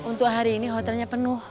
untuk hari ini hotelnya penuh